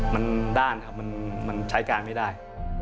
มันด้านครับมันใช้การไม่ได้